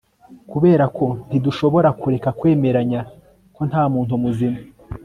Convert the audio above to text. kuberako ntidushobora kureka kwemeranya ko ntamuntu muzima